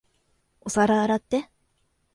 お皿洗って。